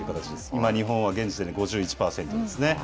今、日本は現時点で５１％ですね。